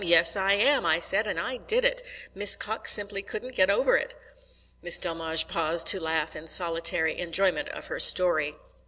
Yes, I am,' I said, and I did it. Miss Cox simply couldn't get over it." Miss Delmege paused to laugh in solitary enjoyment of her story.